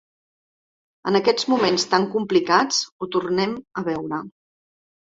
En aquests moments tan complicats, ho tornem a veure.